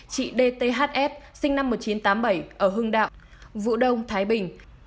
chị d t h f sinh năm một nghìn chín trăm tám mươi bảy ở hưng đạo vũ đông thái bình